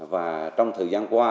và trong thời gian qua